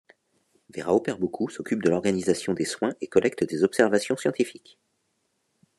Vera opère beaucoup, s'occupe de l'organisation des soins et collecte des observations scientifiques.